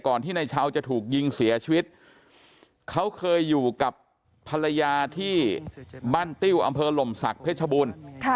ที่ในเช้าจะถูกยิงเสียชีวิตเขาเคยอยู่กับภรรยาที่บ้านติ้วอำเภอหล่มศักดิ์เพชรบูรณ์